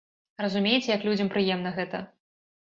Разумееце, як людзям прыемна гэта?